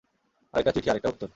আরেকটা চিঠি, আরেকটা উত্তর।